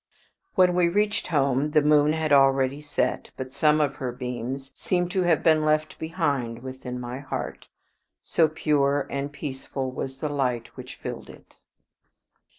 When we reached home the moon had already set; but some of her beams seemed to have been left behind within my heart, so pure and peaceful was the light which filled it.